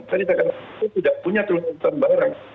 tadi saya katakan itu tidak punya terminal hutan barang